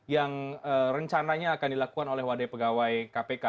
yang rencananya akan dilakukan oleh wadah pegawai kpk